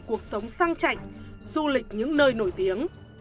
cuộc sống sang chạch du lịch những nơi nổi tiếng